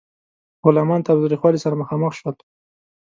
غلامان تاوتریخوالي سره مخامخ شول.